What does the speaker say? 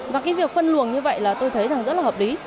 và việc phân luồng như vậy tôi thấy rất là hợp lý